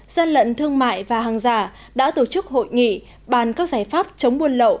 gian lận thương mại và hàng giả đã tổ chức hội nghị bàn các giải pháp chống buôn lậu